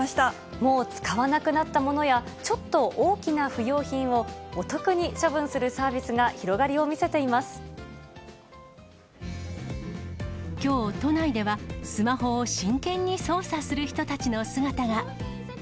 もう使わなくなったものや、ちょっと大きな不用品をお得に処分するサービスが広がりを見せてきょう、都内ではスマホを真剣に操作する人たちの姿が。